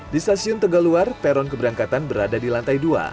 di stasiun tegaluar peron keberangkatan berada di lantai dua